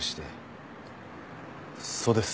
そうです。